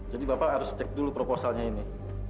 jadi bapak harus cek dulu proposalnya ini